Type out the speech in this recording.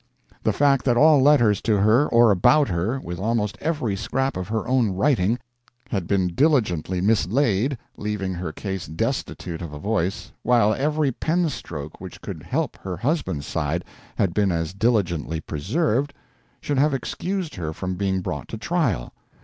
The fact that all letters to her or about her, with almost every scrap of her own writing, had been diligently mislaid, leaving her case destitute of a voice, while every pen stroke which could help her husband's side had been as diligently preserved, should have excused her from being brought to trial.